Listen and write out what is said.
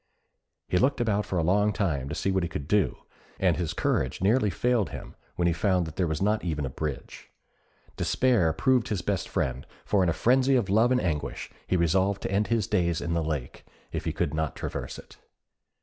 He looked about for a long time to see what he could do, and his courage nearly failed him when he found that there was not even a bridge. Despair proved his best friend, for in a frenzy of love and anguish, he resolved to end his days in the lake, if he could not traverse it.